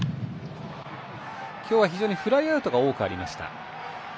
今日は非常にフライアウトが多くありました。